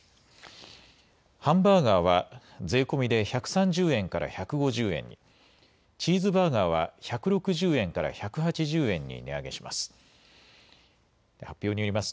ハンバーガーは税込みで１３０円から１５０円に、チーズバーガーは１６０円から１８０円に値上げします。